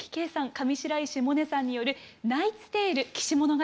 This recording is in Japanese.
上白石萌音さんによる「ナイツ・テイル−騎士物語−」